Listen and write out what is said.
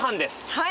はい。